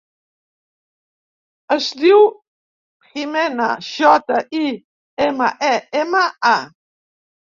Es diu Jimena: jota, i, ema, e, ena, a.